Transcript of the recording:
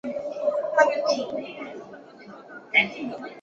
适用于多媒体有源音箱和声卡等设备的认证。